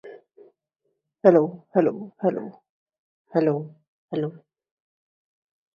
The building has wide verandas on both floors.